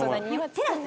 テラス！？